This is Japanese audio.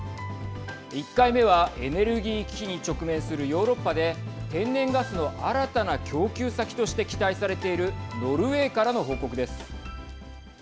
１回目は、エネルギー危機に直面するヨーロッパで天然ガスの新たな供給先として期待されているノルウェーからの報告です。